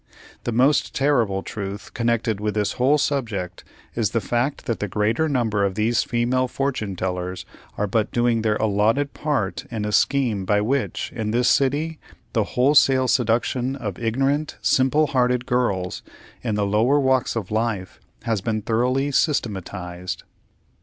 The most terrible truth connected with this whole subject is the fact that the greater number of these female fortune tellers are but doing their allotted part in a scheme by which, in this city, the wholesale seduction of ignorant, simple hearted girls, in the lower walks of life, has been thoroughly systematized.